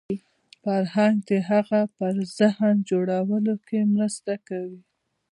فرهنګ د هغه په ذهن جوړولو کې مرسته کوي